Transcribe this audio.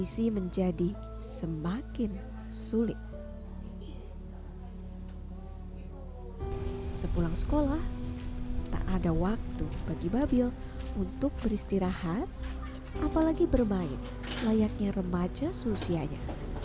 sepulang sekolah tak ada waktu bagi babil untuk beristirahat apalagi bermain layaknya remaja seusianya